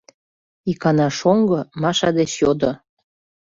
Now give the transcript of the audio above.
— икана шоҥго Маша деч йодо.